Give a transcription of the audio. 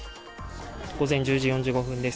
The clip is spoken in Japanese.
午前１０時４５分です。